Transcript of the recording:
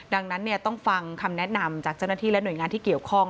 ดังนั้นต้องฟังคำแนะนำจากเจ้าหน้าที่และหน่วยงานที่เกี่ยวข้อง